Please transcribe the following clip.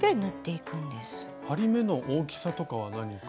針目の大きさとかは何か。